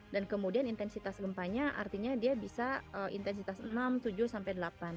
dan kemudian intensitas gempanya artinya dia bisa intensitas enam tujuh sampai delapan